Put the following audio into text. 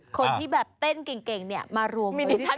คนที่แบบเต้นเก่งเนี่ยมารวมเวชั่น